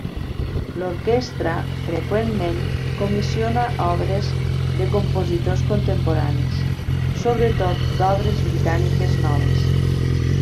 L'orquestra freqüentment comissiona obres de compositors contemporanis, sobretot d'obres britàniques noves.